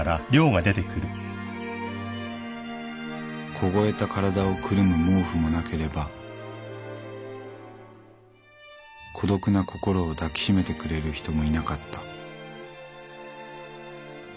「凍えた体をくるむ毛布もなければ孤独な心を抱きしめてくれる人もいなかった」